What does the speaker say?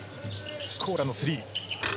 スコーラのスリー。